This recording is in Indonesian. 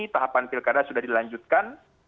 tahapan pilkada sudah dilanjutkan